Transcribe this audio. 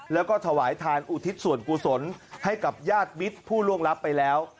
แล้วก็ถวายทานอุทิศส่วนกุศลให้กับญาติมิตรผู้ล่วงลับไปแล้ว